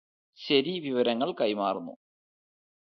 ശരി വിവരങ്ങള് കൈമാറുന്നു